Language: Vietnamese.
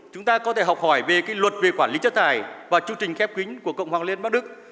chúng ta có thể học hỏi về luật về quản lý chất thải và chương trình khép kính của cộng hòa liên bắc đức